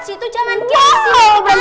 situ jaman gini sini sini